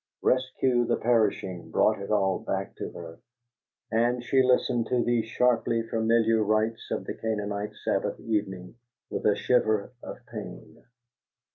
"Rescue the Perishing" brought it all back to her; and she listened to these sharply familiar rites of the Canaanite Sabbath evening with a shiver of pain.